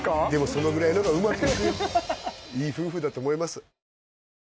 そのぐらいの方がうまくいくよいい夫婦だと思います